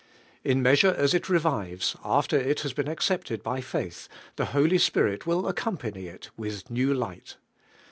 In measure as it revives, after it has been accepted by faith, the Holy Spirit will ac company it with new light.